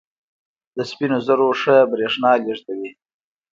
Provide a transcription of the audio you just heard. د سپینو زرو ښه برېښنا لېږدوي.